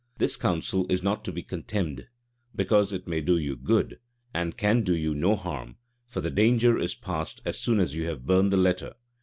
This counsel is not to be contemned, because it may do you good, and can do you no harm: for the danger is past as soon as you have burned the letter.